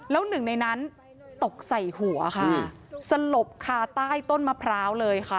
แล้วหนึ่งในนั้นตกใส่หัวค่ะสลบคาใต้ต้นมะพร้าวเลยค่ะ